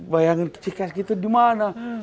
bayangin cikyas itu dimana